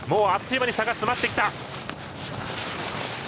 あっという間に差が詰まってきた。